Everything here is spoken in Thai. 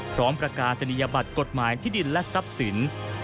พร้อมประกาศนิยบัตรกฎหมายที่ดินและทรัพย์สิน